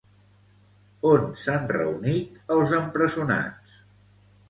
On s'han reunit els empresonats?